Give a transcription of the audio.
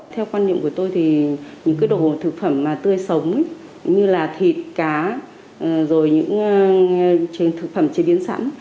theo quan điểm của tôi thì những cái đồ thực phẩm tươi sống như là thịt cá rồi những thực phẩm chế biến sẵn